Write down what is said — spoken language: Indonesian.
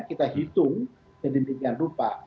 kita hitung sedemikian rupa